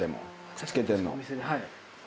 はい。